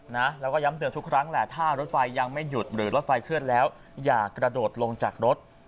นะแล้วก็ย้ำเตือนทุกครั้งแหละถ้ารถไฟยังไม่หยุดหรือรถไฟเคลื่อนแล้วอย่ากระโดดลงจากรถ